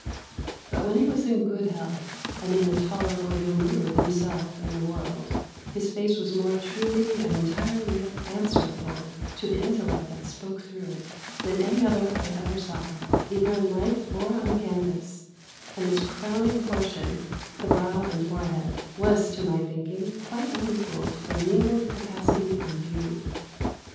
But when he was in good health, and in a tolerable humour with himself and the world, his face was more truly and entirely answerable to the intellect that spoke through it, than any other I ever saw, either in life or on canvas; and its crowning portion the brow and forehead was, to my thinking, quite unequalled for mingled capacity and beauty.